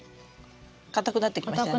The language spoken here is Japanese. かたくなってきましたね。